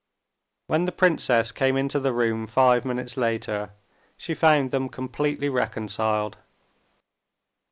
When the princess came into the room five minutes later, she found them completely reconciled.